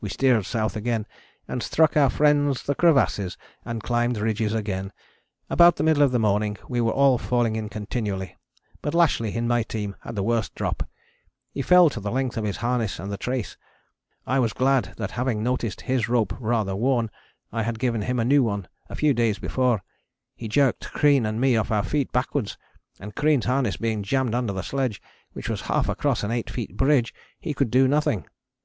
We steered south again and struck our friends the crevasses and climbed ridges again. About the middle of the morning we were all falling in continually, but Lashly in my team had the worst drop. He fell to the length of his harness and the trace. I was glad that having noticed his rope rather worn, I had given him a new one a few days before. He jerked Crean and me off our feet backwards, and Crean's harness being jammed under the sledge, which was half across an eight feet bridge, he could do nothing.